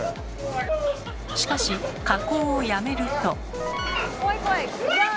しかし下降をやめると。